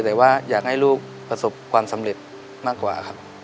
แต่ว่าอยากให้ลูกประสบความสำเร็จมากกว่าครับ